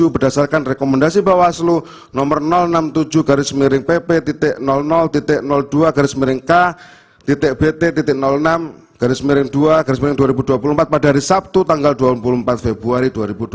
berdasarkan rekomendasi bawaslu nomor enam puluh tujuh pp dua k bt enam dua dua ribu dua puluh empat pada hari sabtu tanggal dua puluh empat februari dua ribu dua puluh empat